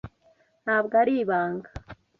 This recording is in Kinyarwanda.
Ntabwo ari ibanga.